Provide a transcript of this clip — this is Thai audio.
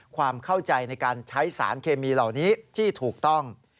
ความเข้าใจในการใช้สารเคมีเหล่านี้ที่ถูกต้อง